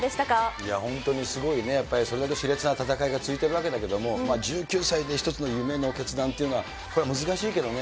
いや、本当にすごいね、やっぱりそれだけしれつな戦いが続いているわけだけれども、１９歳で一つの夢の決断っていうのは、これ、難しいけどね。